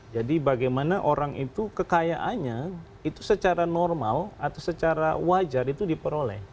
jadi bagaimana orang itu kekayaannya itu secara normal atau secara wajar itu diperoleh